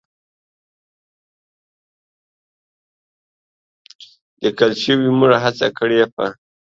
لیکل شوې، موږ هڅه کړې په